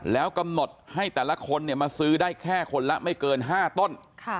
แล้วกำหนดให้แต่ละคนมาซื้อได้แค่คนละไม่เกิน๕ต้น